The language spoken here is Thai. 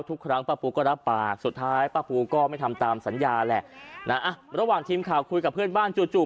ทุกครั้งป้าปูก็รับปากสุดท้ายป้าปูก็ไม่ทำตามสัญญาแหละนะระหว่างทีมข่าวคุยกับเพื่อนบ้านจู่จู่